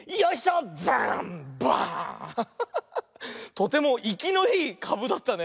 とてもいきのいいかぶだったね。